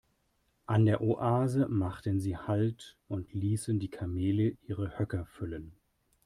An der Oase machten sie Halt und ließen die Kamele ihre Höcker füllen.